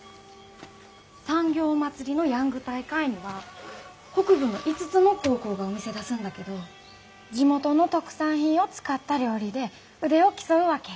産業まつりのヤング大会には北部の５つの高校がお店出すんだけど地元の特産品を使った料理で腕を競うわけ。